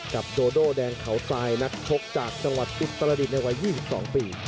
โดโดแดงเขาทรายนักชกจากจังหวัดอุตรดิษฐ์ในวัย๒๒ปี